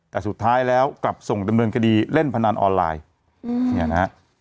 แต่สุดท้ายแล้วกลับส่งดำเนินคดีเล่นพนันออนไลน์เนี่ยนะฮะ